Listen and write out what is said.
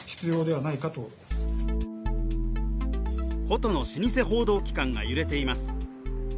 古都の老舗報道機関が揺れています。